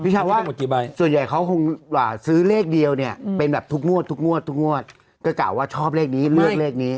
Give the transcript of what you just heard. พี่ชาวว่าส่วนใหญ่เขาคงซื้อเลขเดียวเนี่ยเป็นแบบทุกงวดก็กล่าวว่าชอบเลขนี้เลือกเลขนี้